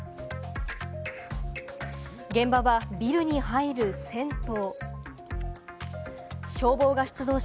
現場はビルに入る銭湯。